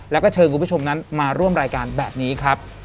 แล้วก็เชิญคุณผู้ชมนั้นมาร่วมรายการแบบนี้ครับ